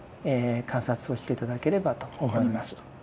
観察をして頂ければと思います。